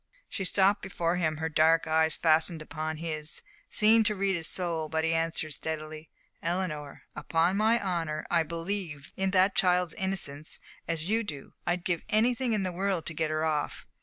She stopped before him, her dark eyes, fastened upon his, seemed to read his soul, but he answered steadily: "Eleanor, upon my honor, I believe in that child's innocence as you do. I'd give anything in the world to get her off.